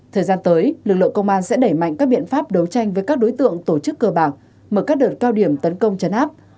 thời gian tới lực lượng công an sẽ đẩy mạnh các biện pháp đấu tranh với các đối tượng tổ chức cơ bản mở các đợt cao điểm tấn công chấn áp